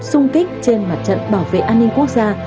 xung kích trên mặt trận bảo vệ an ninh quốc gia